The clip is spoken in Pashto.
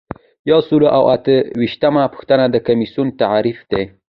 یو سل او اته ویشتمه پوښتنه د کمیسیون تعریف دی.